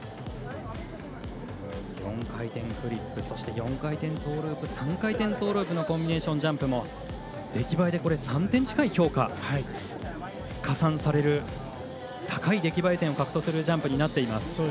４回転フリップそして、４回転トーループトリプルトーループのコンビネーションジャンプも出来栄えで３点近い評価が加算される高い出来栄え点を獲得するジャンプになっています。